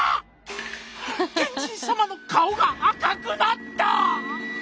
天神様の顔が赤くなった！